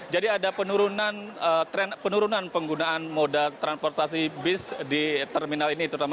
jadi ada penurunan penggunaan modal transportasi bus di terminal ini